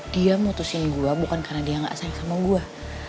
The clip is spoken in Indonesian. dia mutusin gue bukan karena dia gak sayang sama gue